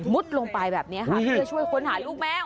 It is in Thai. ลงไปแบบนี้ค่ะเพื่อช่วยค้นหาลูกแมว